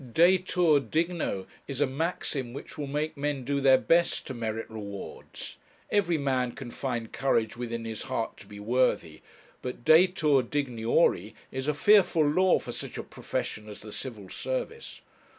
Detur digno is a maxim which will make men do their best to merit rewards; every man can find courage within his heart to be worthy; but detur digniori is a fearful law for such a profession as the Civil Service.